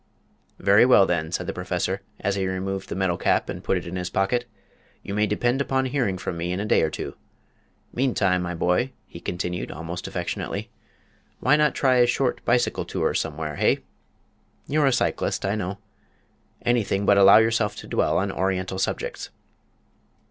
"Very well, then," said the Professor, as he removed the metal cap and put it in his pocket; "you may depend upon hearing from me in a day or two. Meantime, my boy," he continued, almost affectionately, "why not try a short bicycle tour somewhere, hey? You're a cyclist, I know anything but allow yourself to dwell on Oriental subjects."